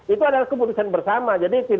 itu adalah keputusan bersama